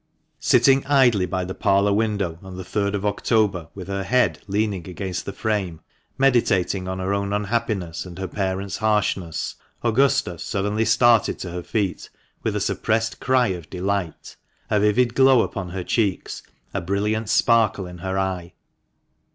Sitting idly by the parlour window on the third of October, with her head leaning against the frame, meditating on her own unhappiness and her parents' harshness, Augusta suddenly started to her feet with a suppressed cry of delight, a vivid glow upon her cheeks, a brilliant sparkle in her eye.